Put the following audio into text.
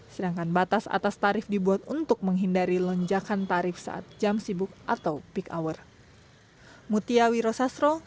sedangkan batas atas tarif dibuat untuk menghindari lonjakan tarif saat jam sibuk atau peak hour